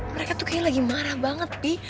mereka tuh kayaknya lagi marah banget nih